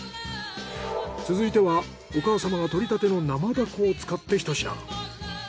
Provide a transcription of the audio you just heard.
続いてはお母様が獲りたての生ダコを使ってひと品。